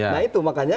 nah itu makanya